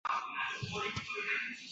西荻北是东京都杉并区的町名。